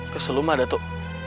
ke seluma datuk